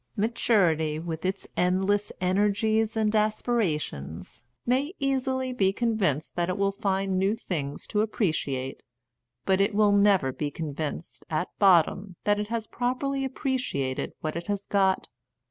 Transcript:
Maturity, with its endless energies and aspirations, may easily be convinced that it will find new things to appreciate ; A Defence of Baby! Worship but it will never be convinced, at bottom, that it has properly appreciated virhat it has got.